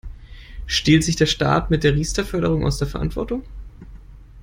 Stiehlt sich der Staat mit der Riester-Förderung aus der Verantwortung?